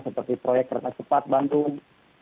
seperti proyek kereta cepat bandung